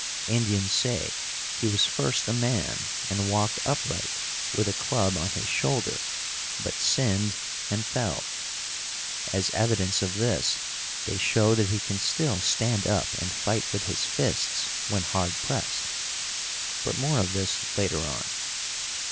Indians say he was first a man and walked upright with a club on his shoulder, but sinned and fell. As evidence of this, they show that he can still stand up and fight with his fists when hard pressed, but more of this later on.